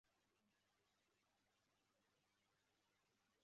Abakobwa batatu babyina imbere y'abacuranzi babiri